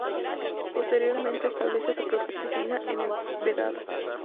Posteriormente establece su propia oficina en El Vedado.